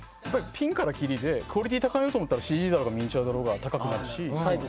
ピンからキリでクオリティーを高めようと思ったらＣＧだろうがミニチュアだろうが高くなるし。